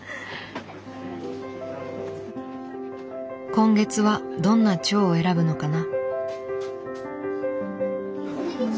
今月はどんなチョウを選ぶのかな。